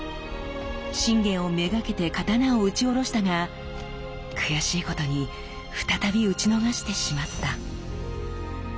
信玄を目がけて刀を打ち下ろしたが悔しいことに再び討ち逃してしまった。